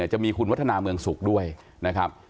จะมีคุณวัฒนาเมืองสุขด้วยนะครับ